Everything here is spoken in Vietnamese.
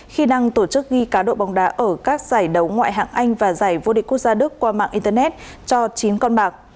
khi đang tổ chức ghi cá độ bóng đá ở các giải đấu ngoại hạng anh và giải vô địch quốc gia đức qua mạng internet cho chín con bạc